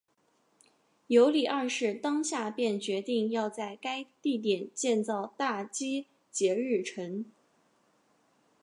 尤里二世当下便决定要在该地点建造大基捷日城。